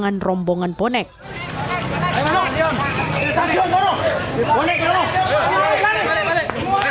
ketika penumpang menemukan penumpang polisi menghadang rombongan bonek